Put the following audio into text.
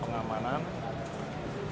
pengawalan di jalan